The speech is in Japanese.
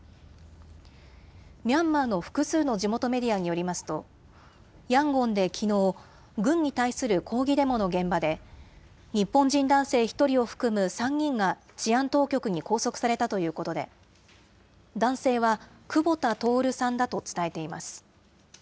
ミャンマーの複数の地元メディアによりますと、ヤンゴンできのう、軍に対する抗議デモの現場で、日本人男性１人を含む３人が治安当局に拘束されたということで、男性はクボタ・トオルさんだと伝えています。